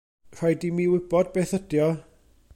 Rhaid i mi wybod beth ydy o.